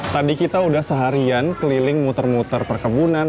tadi kita sudah seharian keliling muter muter perkebunan